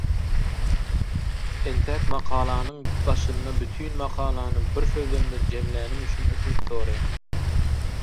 Entäk makalanyň başynda bütin makalany bir sözlemde jemlänim üçin ötünç soraýaryn.